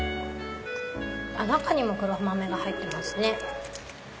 中にも黒豆が入ってますね。